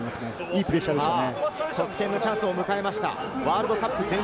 いいプレッシャーでした。